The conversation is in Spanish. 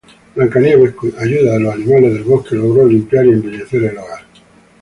Blancanieves, con ayuda de los animales del bosque, logró limpiar y embellecer el hogar.